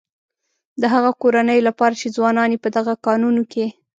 د هغه کورنيو لپاره چې ځوانان يې په دغه کانونو کې.